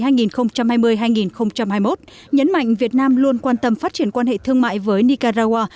nhấn mạnh việt nam luôn quan tâm phát triển quan hệ thương mại với nicaragua